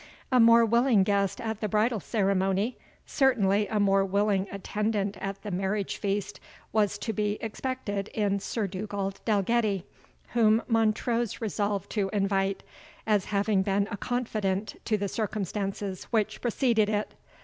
A more willing guest at the bridal ceremony, certainly a more willing attendant at the marriage feast, was to be expected in Sir Dugald Dalgetty, whom Montrose resolved to invite, as having been a confidant to the circumstances which preceded it.